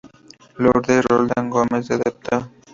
Lourdes Roldán Gómez, del Dpto.